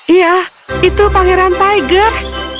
iya itu pangeran tiger